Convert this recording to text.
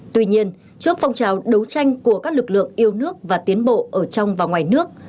tuy nhiên trước phong trào đấu tranh của các lực lượng yêu nước và tiến bộ ở trong và ngoài nước